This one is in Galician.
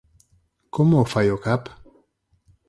Como o fai o Cap?